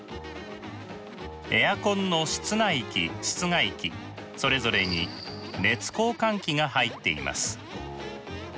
エアコンの室内機室外機それぞれに熱交換器が入っています。